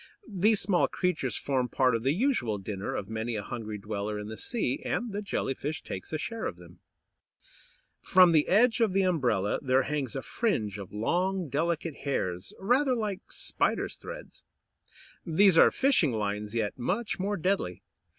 These small creatures form part of the usual dinner of many a hungry dweller in the sea, and the Jelly fish takes a share of them. [Illustration: A MEDUSOID.] From the edge of the "umbrella" there hangs a fringe of long, delicate hairs, rather like spiders' threads. These are fishing lines, yet much more deadly.